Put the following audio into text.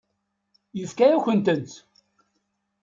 Yefka-yakent-tent.